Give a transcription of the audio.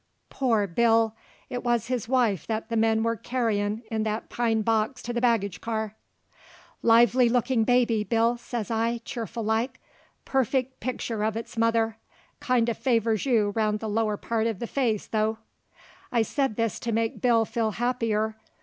Poor Bill! it wuz his wife that the men were carryin' in that pine box to the baggage car. "Likely lookin'baby, Bill," says I, cheerful like. "Perfect pictur' uv its mother; kind uv favors you round the lower part uv the face, tho'." I said this to make Bill feel happier.